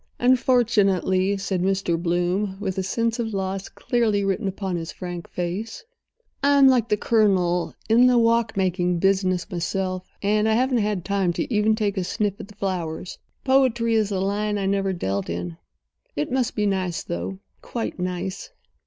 "Unfortunately," said Mr. Bloom, with a sense of the loss clearly written upon his frank face, "I'm like the Colonel—in the walk making business myself—and I haven't had time to even take a sniff at the flowers. Poetry is a line I never dealt in. It must be nice, though—quite nice."